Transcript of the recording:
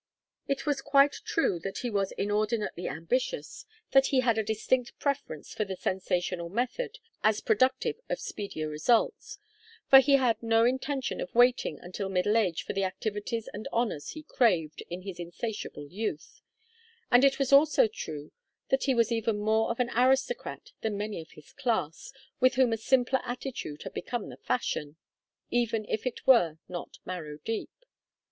It was quite true that he was inordinately ambitious, that he had a distinct preference for the sensational method, as productive of speedier results; for he had no intention of waiting until middle age for the activities and honors he craved in his insatiable youth; and it was also true that he was even more of an aristocrat than many of his class, with whom a simpler attitude had become the fashion, even if it were not marrow deep.